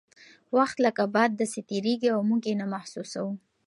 وخت لکه باد داسې تیریږي او موږ یې نه محسوسوو.